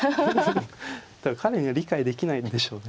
彼には理解できないんでしょうね。